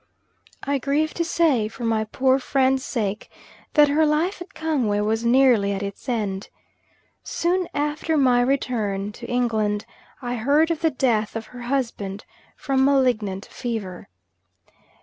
I grieve to say, for my poor friend's sake, that her life at Kangwe was nearly at its end. Soon after my return to England I heard of the death of her husband from malignant fever.